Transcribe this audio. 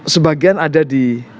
sebagian ada di kandidatnya